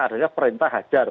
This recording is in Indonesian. adanya perintah hajar